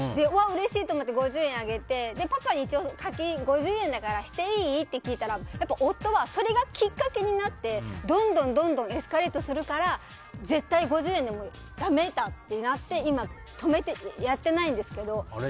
うわ、うれしいと思って５０円あげてパパに課金５０円だからしていい？って聞いたらやっぱ、夫はそれがきっかけになってどんどんエスカレートするから絶対５０円でもだめだってなって今、止めてやってないんですけど。